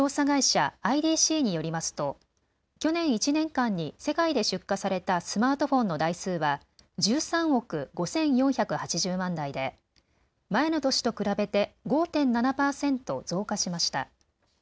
会社ＩＤＣによりますと去年１年間に世界で出荷されたスマートフォンの台数は１３億５４８０万台で前の年と比べて５．７％増加しました。